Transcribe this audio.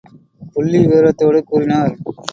புள்ளி விவரத்தோடு கூறினர்.